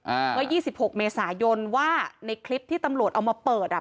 เมื่อยี่สิบหกเมษายนว่าในคลิปที่ตำรวจเอามาเปิดอ่ะ